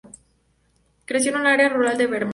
Creció en un área rural de Vermont.